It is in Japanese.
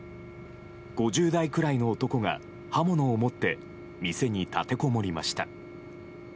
５０代くらいの男が刃物を持って店に立てこもりました。